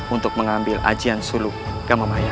untuk mengambil ajian sulu gamamaya